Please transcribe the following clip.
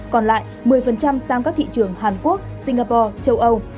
còn lại một mươi sang các thị trường hàn quốc singapore châu âu